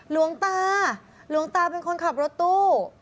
หลวงตาหลวงตาเป็นคนขับรถตู้